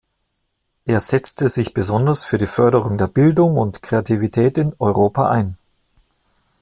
Er setzte sich besonders für die Förderung der Bildung und Kreativität in Europa ein.